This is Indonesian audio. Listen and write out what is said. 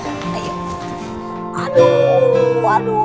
aduh aduh aduh